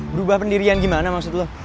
berubah pendirian gimana maksud lo